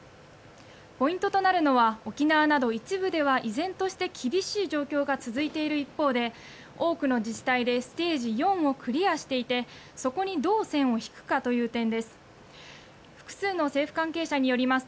ポイントとなるのは沖縄など一部では依然として厳しい状況が続いている一方で多くの自治体でステージ４をクリアしていてそこにどう線を引くかという点です。